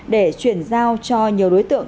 để chuyển giao cho nhiều đối tượng